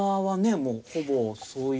もうほぼそういう。